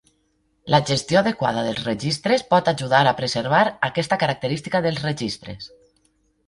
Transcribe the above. La gestió adequada dels registres pot ajudar a preservar aquesta característica dels registres.